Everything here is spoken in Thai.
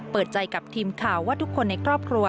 เปิดใจกับทีมข่าวว่าทุกคนในครอบครัว